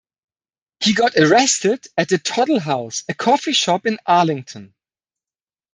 He got arrested at the Toddle House, a coffee shop in Arlington.